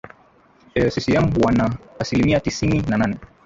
ee ccm wana asilimia tisini na nane